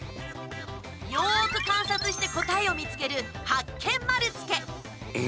よく観察して答えを見つけるハッケン丸つけ。